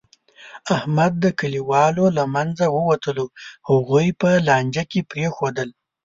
احمد د کلیوالو له منځه ووتلو، هغوی په لانجه کې پرېښودل.